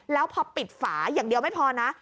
แล้วพอปิดฝาอย่างเดียวไม่พอนะ